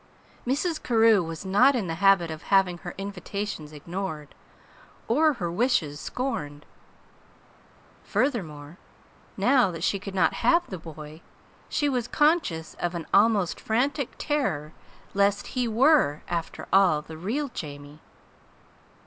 Mrs. Carew was not in the habit of having her invitations ignored, or her wishes scorned. Furthermore, now that she could not have the boy, she was conscious of an almost frantic terror lest he were, after all, the real Jamie.